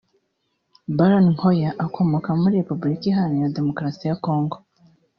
Baron Nkoy ukomoka muri Repuburika iharanira Demokarasi ya Congo